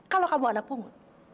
kalau kamu anak pungut